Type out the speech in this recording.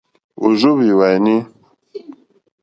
Ò rzóhwì hwàèní.